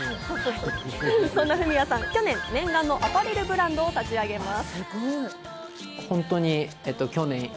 そんなＦｕｍｉｙａさん、去年、念願のアパレルブランドを立ち上げます。